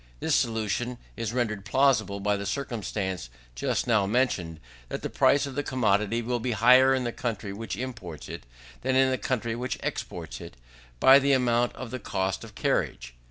This solution is rendered plausible by the circumstance just now mentioned, that the price of the commodity will be higher in the country which imports it, than in the country which exports it, by the amount of the cost of carriage.